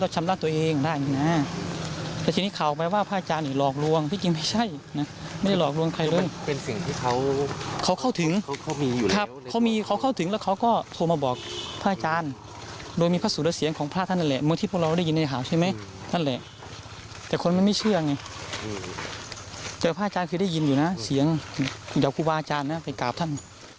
พระอาจารย์คือได้ยินอยู่นะเสียงจากครูบาอาจารย์นะไปกราบท่าน